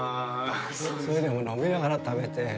それでも飲みながら食べて。